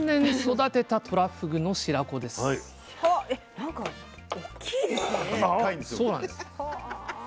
なんかおっきいですね。